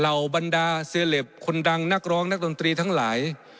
บรรดาเซลปคนดังนักร้องนักดนตรีทั้งหลาย